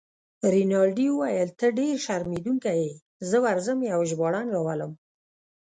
رینالډي وویل: ته ډیر شرمېدونکی يې، زه ورځم یو ژباړن راولم.